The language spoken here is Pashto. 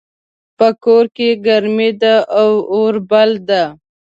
په کور کې ګرمي ده او اور بل ده